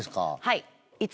はい。